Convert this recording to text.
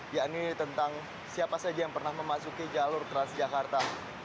yakni tentang siapa saja yang pernah memasuki jalur transjakarta